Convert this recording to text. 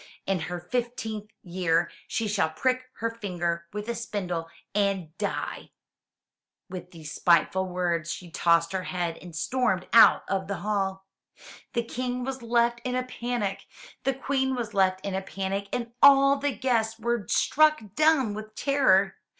"In her fifteenth year she shall prick her finger with a spindle and die !With these spiteful words, she tossed her head and stormed out of the hall. The King was left in a panic; the Queen was left in a panic and all the guests were struck dumb with terror.